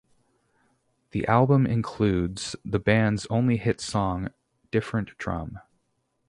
The album includes the band's only hit song, "Different Drum".